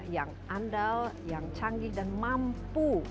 yang andal yang canggih dan mampu